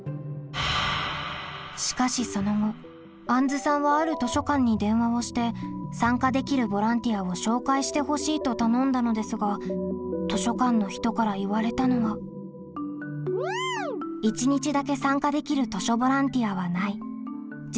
しかしその後あんずさんはある図書館に電話をして参加できるボランティアを紹介してほしいと頼んだのですが図書館の人から言われたのはということでした。